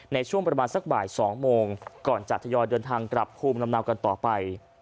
ในช่วงประมาณสักบ่าย๒โมงก่อนจะทยอยเดินทางกลับภูมิลำเนากันต่อไป